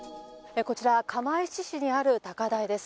こちら釜石市にある高台です。